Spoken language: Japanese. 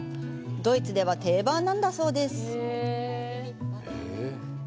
ドイツでは定番なんだそうです。